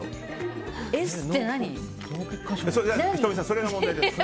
それが問題です。